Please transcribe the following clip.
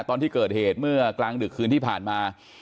ตอนที่เกิดเหตุเมื่อกลางดึกคืนที่ผ่านมา